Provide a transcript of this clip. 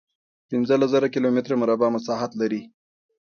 پنځلس زره کیلومتره مربع مساحت لري.